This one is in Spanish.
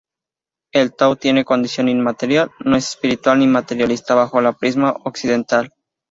El tao tiene condición inmaterial; no es espiritual ni materialista bajo el prisma occidental.